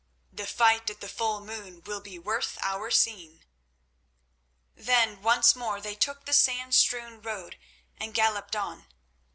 "The fight at the full moon will be worth our seeing." Then once more they took the sand strewn road and galloped on.